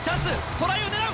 トライを狙う！